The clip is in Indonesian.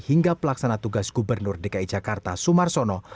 hingga pelaksana tugas gubernur dki jakarta sumar sono